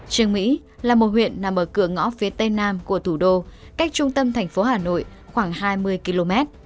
trường mỹ là một huyện nằm ở cửa ngõ phía tây nam của thủ đô cách trung tâm thành phố hà nội khoảng hai mươi km